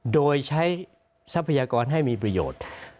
โดยใช้ทรัพยากรให้มีประโยชน์